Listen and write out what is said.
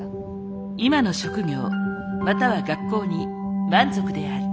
今の職業または学校に満足である。